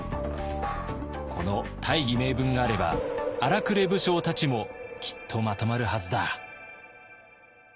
この大義名分があれば荒くれ武将たちもきっとまとまるはずだ。